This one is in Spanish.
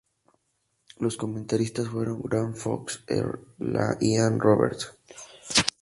Los comentaristas fueron Grant Fox e Ian Robertson.